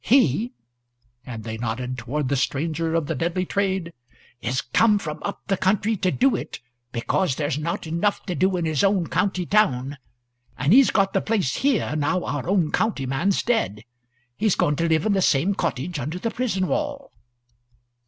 He" (and they nodded toward the stranger of the terrible trade) "is come from up the country to do it because there's not enough to do in his own county town, and he's got the place here, now our own county man's dead; he's going to live in the same cottage under the prison wall."